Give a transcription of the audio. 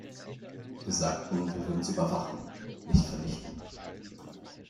Wir sagten, wir würden sie überwachen, nicht vernichten.